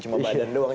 cuma badan doang